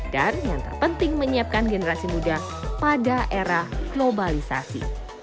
dan yang terpenting menyiapkan generasi muda pada era globalisasi